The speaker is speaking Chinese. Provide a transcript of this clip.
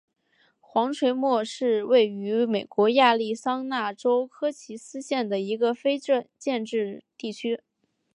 黄锤磨是位于美国亚利桑那州科奇斯县的一个非建制地区。